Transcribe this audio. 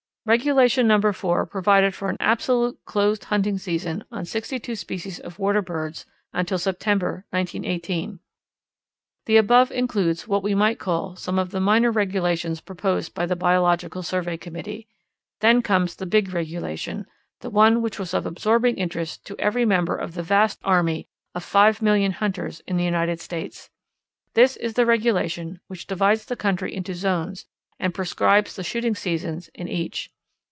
Regulation Number Four provided for an absolute closed hunting season on sixty two species of water birds until September, 1918. The above includes what we might call some of the minor regulations proposed by the Biological Survey Committee. Then comes the big regulation, the one which was of absorbing interest to every member of the vast army of five million hunters in the United States. This is the regulation which divides the country into zones and prescribes the shooting seasons in each.